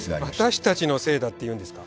私たちのせいだっていうんですか？